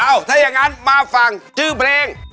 ถ้าอย่างนั้นมาฟังชื่อเพลง